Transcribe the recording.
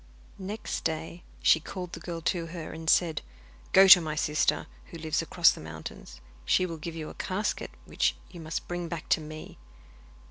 Next day she called the girl to her and said: 'Go to my sister, who lives across the mountains. She will give you a casket, which you must bring back to me.